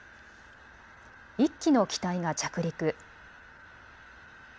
１機の機体が着陸。